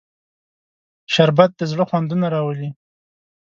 شربت د زړه خوندونه راولي